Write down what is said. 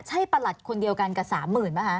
ใช่ปรัสคนเดียวกันกับ๓๐๐๐๐ปั้วค่ะ